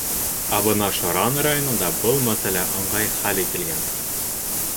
Ә бына Шаран районында был мәсьәлә ыңғай хәл ителгән.